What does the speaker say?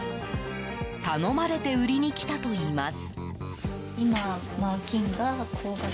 頼まれて売りに来たといいます。